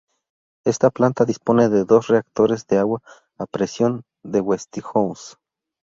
Esta planta dispone de dos reactores de agua a presión de Westinghouse.